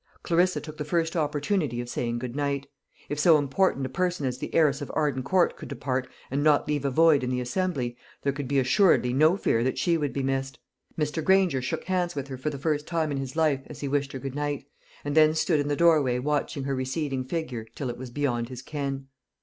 Clarissa took the first opportunity of saying good night. If so important a person as the heiress of Arden Court could depart and not leave a void in the assembly, there could be assuredly no fear that she would be missed. Mr. Granger shook hands with her for the first time in his life as he wished her good night, and then stood in the doorway watching her receding figure till it was beyond his ken.